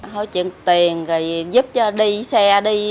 thôi chuyển tiền rồi giúp cho đi xe đi